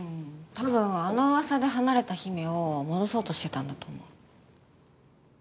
多分あのうわさで離れた姫を戻そうとしてたんだと思う。